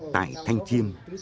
tại thanh chiêm